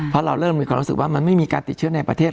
เพราะเราเริ่มมีความรู้สึกว่ามันไม่มีการติดเชื้อในประเทศ